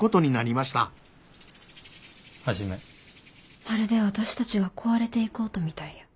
まるで私たちが壊れていく音みたいや。